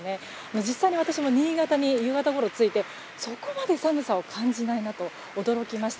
実際に私も新潟に夕方ごろ着いてそこまで寒さを感じないなと驚きました。